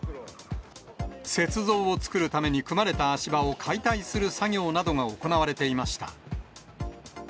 雪像を作るために組まれた足場を解体する作業などが行われていました。